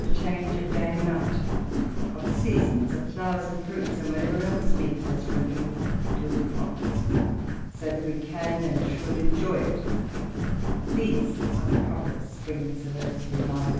The change of day and night, of the seasons, of flowers and fruits, and whatever else meets us from epoch to epoch, so that we can and should 'enjoy it,—these are the proper springs of earthly life.